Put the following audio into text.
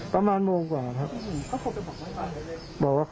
ประมาณโมงกว่าครับอืมเขาโทรไปบอกไว้ก่อน